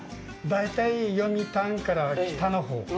大体、読谷から北のほう。